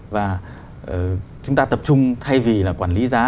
và chúng ta tập trung thay vì là quản lý giá